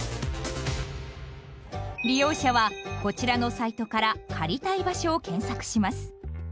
利用者はこちらのサイトから借りたい場所を検索します。